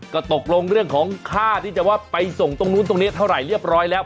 ก็ตกลงเรื่องของค่าที่จะว่าไปส่งตรงนู้นตรงนี้เท่าไหร่เรียบร้อยแล้ว